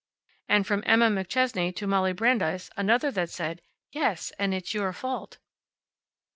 And from Emma McChesney to Molly Brandeis another that said, "Yes; and it's your fault."